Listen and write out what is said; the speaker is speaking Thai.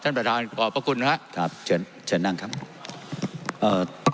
ท่านประธานขอบพระคุณนะครับครับเชิญเชิญนั่งครับเอ่อ